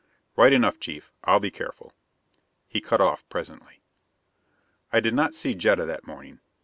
"Right enough, Chief. I'll be careful." He cut off presently. I did not see Jetta that morning.